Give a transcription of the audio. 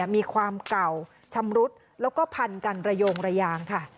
มีความเก่าชำรุดแล้วก็พันกันระโยงระยางค่ะ